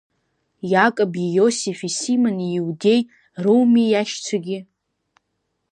Иакоби Иосифи Симони Иудеи роуми иашьцәагьы?